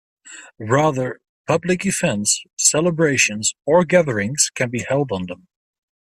Rather, public events, celebrations, or gatherings can be held on them.